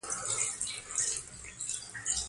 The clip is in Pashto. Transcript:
تاریخ د راتلونکي جوړونکی دی.